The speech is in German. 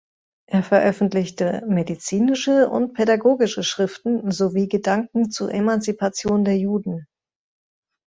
Er veröffentlichte medizinische und pädagogische Schriften sowie Gedanken zur Emanzipation der Juden.